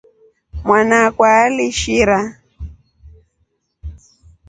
Mwana akwa aliishira.